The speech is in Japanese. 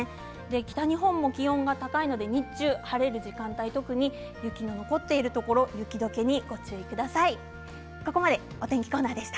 北日本も気温が高いので日中の晴れる時間帯特に雪の残っているところ雪解けにご注意ください。